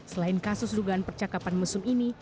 selain kasus dugaan percakapan mesum ini